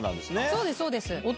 そうですそうです。